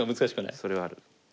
それはある。